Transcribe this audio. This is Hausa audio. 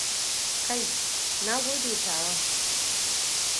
Kai, na gode, tawan.